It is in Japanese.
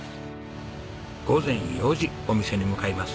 午前４時お店に向かいます。